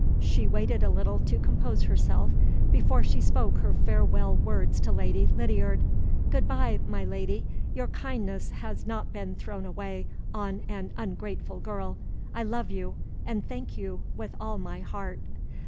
She waited a little to compose herself before she spoke her farewell words to Lady Lydiard. "Good by, my Lady. Your kindness has not been thrown away on an ungrateful girl. I love you, and thank you, with all my heart."